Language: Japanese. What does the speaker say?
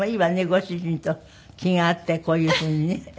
ご主人と気が合ってこういうふうにね。